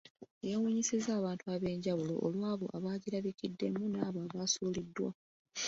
Yeewuunyisizza abantu ab’enjawulo olw’abo abagirabikiddemu n’abo abasuuliddwa.